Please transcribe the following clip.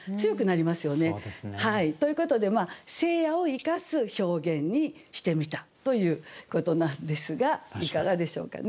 そうですね。ということで「聖夜」を生かす表現にしてみたということなんですがいかがでしょうかね？